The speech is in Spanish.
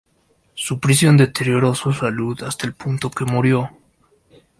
Su prisión deterioró su salud hasta el punto que murió.